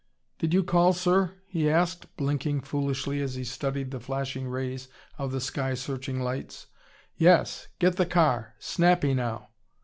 "Did you call, sir?" he asked, blinking foolishly as he studied the flashing rays of the sky searching lights. "Yes! Get the car! Snappy, now!"